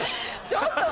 ちょっと！